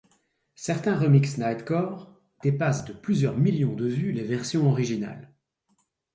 Certains remix nightcore dépassent de plusieurs millions de vues les versions originales.